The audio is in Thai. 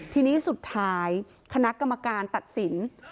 ทีนี้สุดท้ายคณะกรรมการตัดสิน